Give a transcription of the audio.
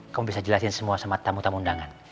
kamu bisa jelasin semua sama tamu tamu undangan